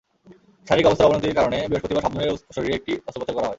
শারীরিক অবস্থার অবনতির কারণে বৃহস্পতিবারই শাবনূরের শরীরে একটি অস্ত্রোপচার করা হয়।